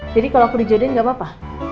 jadi kalau aku dijodohin gak apa apa